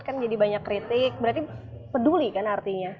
kan jadi banyak kritik berarti peduli kan artinya